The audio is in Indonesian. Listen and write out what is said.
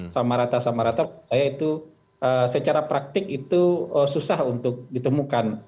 sama rata sama rata saya itu secara praktik itu susah untuk ditemukan